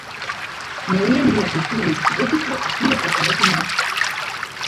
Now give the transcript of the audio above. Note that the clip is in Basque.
Neurri handiak dituen gotiko estiloko eraikina da.